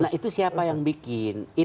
nah itu siapa yang bikin